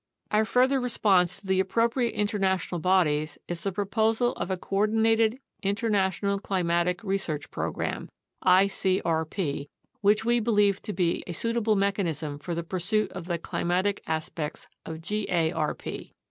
Our further response to the appropriate international bodies is the proposal of a coordinated International Climatic Research Program (icrp), which we believe to be a suitable mechanism for the pursuit of the climatic aspects of garp.